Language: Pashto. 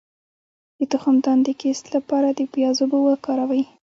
د تخمدان د کیست لپاره د پیاز اوبه وکاروئ